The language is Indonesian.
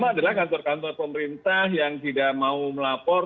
pertama adalah kantor kantor pemerintah yang tidak mau melapor